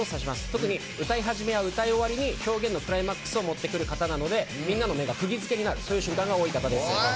特に歌い始めや歌い終わりに表現のクライマックスを持ってくる方なのでみんなの目がくぎづけになるそういう瞬間が多いです。